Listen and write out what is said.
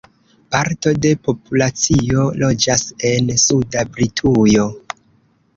Parto de populacio loĝas en suda Britujo.